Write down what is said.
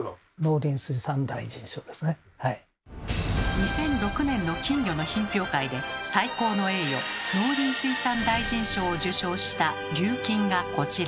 ２００６年の金魚の品評会で最高の栄誉農林水産大臣賞を受賞した琉金がこちら。